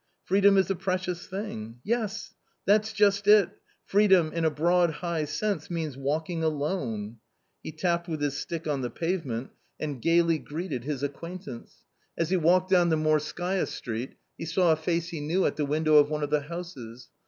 Freedom is a precious thing ! Yes ! that's just it ; freedom in a broad high sense means — walking alone !" He tapped with his stick on the pavement, and gaily A COMMON STORY 189 greeted his acquaintance. As he walked down the Morskaya Street, he saw a face he knew at the window of one of the houses.